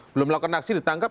belum melakukan aksi ditangkap